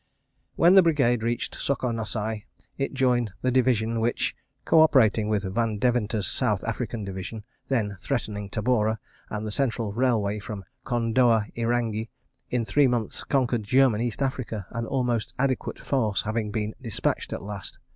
... When the Brigade reached Soko Nassai it joined the Division which (co operating with Van Deventer's South African Division, then threatening Tabora and the Central Railway from Kondoa Irangi) in three months conquered German East Africa—an almost adequate force having been dispatched at last.